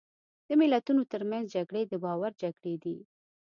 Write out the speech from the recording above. د ملتونو ترمنځ جګړې د باور جګړې دي.